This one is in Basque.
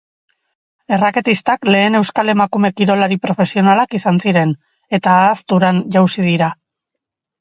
Erraketistak lehen euskal emakume kirolari profesionalak izan ziren, eta ahazturan jausi dira.